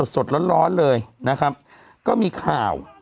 สดร้อนเลยนะครับก็มีข่าว